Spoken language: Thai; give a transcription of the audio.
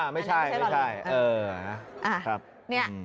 ไม่ใช่เออ